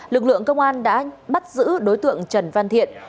lực lượng công an đã bắt giữ đối tượng trần văn thiện